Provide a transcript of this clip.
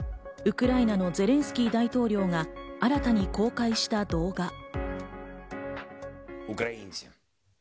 ウクライナのゼレンスキー大統領が新たに公開した動画。